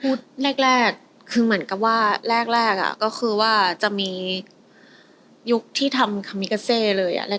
แรกคือเหมือนกับว่าแรกก็คือว่าจะมียุคที่ทำคามิกาเซเลย